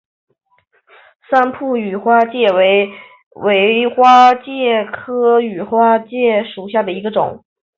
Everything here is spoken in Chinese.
三浦羽花介为尾花介科羽花介属下的一个种。